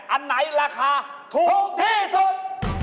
อันไหนราคาถูกที่สุด